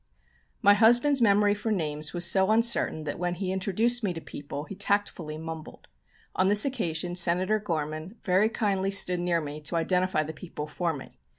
My husband's memory for names was so uncertain that when he introduced me to people he tactfully mumbled. On this occasion Senator Gorman very kindly stood near me to identify the people for me.